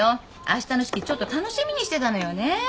あしたの式ちょっと楽しみにしてたのよね。